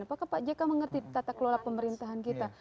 apakah pak jk mengerti tata kelola pemerintahan kita